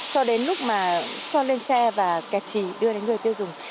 cho đến lúc mà cho lên xe và kẹt trì đưa đến người tiêu dùng